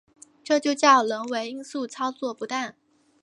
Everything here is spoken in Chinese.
这就叫人为因素操作不当